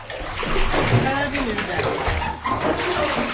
Är vi nu där igen!